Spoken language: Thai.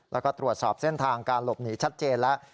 แล้วก็ตรวจสอบเส้นทางการหลบหนีชัดเจนแล้ว